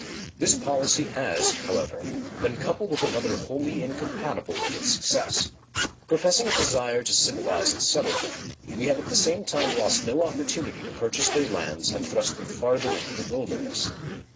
This policy has, however, been coupled with another wholly incompatible with its success. Professing a desire to civilize and settle them, we have at the same time lost no opportunity to purchase their lands and thrust them farther into the wilderness.